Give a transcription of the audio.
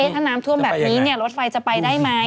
ถ้าน้ำท่วมแบบนี้รถไฟจะไปได้ไหม